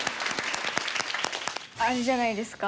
あれじゃないですか？